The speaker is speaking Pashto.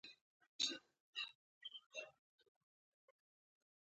هغه ننواتې ونه منله.